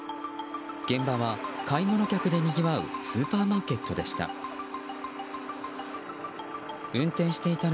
現場は買い物客でにぎわうスーパーマーケットでした。